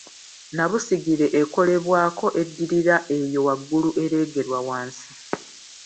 nnabusigire ekolebwako eddirira eyo waggulu ereegerwa wansi